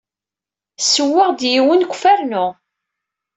Ssewweɣ-d yiwen deg ufarnu.